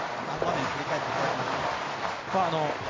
あの場面を振り返っていただけますか？